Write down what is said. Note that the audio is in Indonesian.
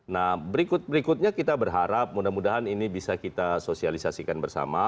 nah berikut berikutnya kita berharap mudah mudahan ini bisa kita sosialisasikan bersama